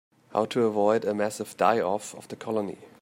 How to avoid a massive die-off of the colony.